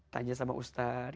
tanya sama ustadz